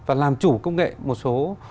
và làm chủ công nghệ một số